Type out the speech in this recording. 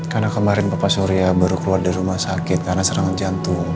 karena kemarin papa surya baru keluar dari rumah sakit karena serangan jantung